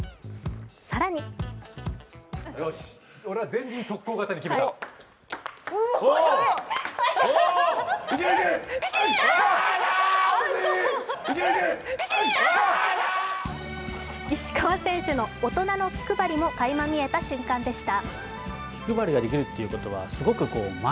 更に石川選手の大人の気配りも垣間見えた瞬間でした。